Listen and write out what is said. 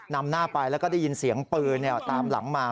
นำหน้าไปแล้วก็ได้ยินเสียงปืนตามหลังมา